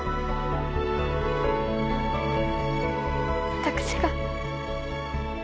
私が。